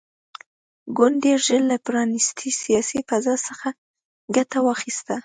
ګوند ډېر ژر له پرانیستې سیاسي فضا څخه ګټه واخیسته.